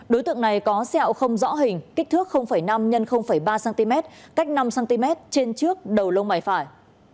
đối tượng này có sẹo không rõ hình kích thước năm x ba cm cách năm cm trên trước đầu lông mày phải